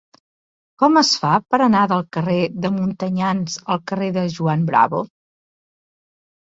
Com es fa per anar del carrer de Montanyans al carrer de Juan Bravo?